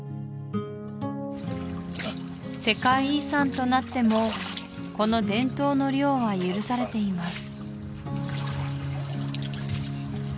世界遺産となってもこの伝統の漁は許されています